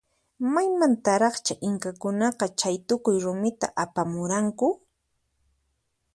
Maymantaraqcha inkakunaqa chaytukuy rumita apamuranku?